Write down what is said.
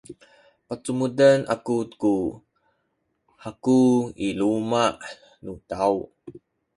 pacumuden aku ku haku i luma’ nu taw.